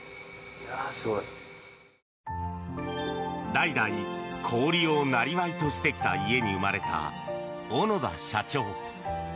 代々、氷をなりわいとしてきた家に生まれた小野田社長。